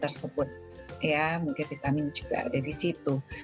tersebut ya mungkin vitamin juga ada di situ